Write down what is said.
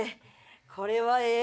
これはええ！